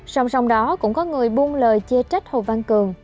sòng sòng đó cũng có người buôn lời chê trách hồ văn cường